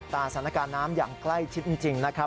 สถานการณ์น้ำอย่างใกล้ชิดจริงนะครับ